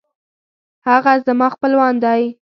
هغه زما خپلوان دی